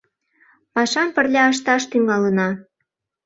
Пашам пырля ышташ тӱҥалына.